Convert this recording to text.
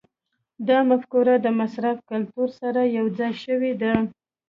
دا مفکوره د مصرف کلتور سره یوځای شوې ده.